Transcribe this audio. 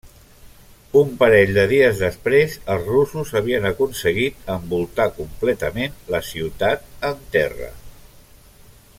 Un parell de dies després, els russos havien aconseguit envoltar completament la ciutat en terra.